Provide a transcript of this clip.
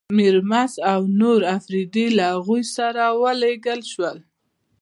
میرمست او نور اپرېدي له هغوی سره ولېږل شول.